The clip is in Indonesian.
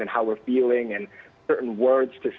dan beberapa kata kata yang harus kita katakan